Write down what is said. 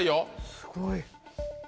すごい。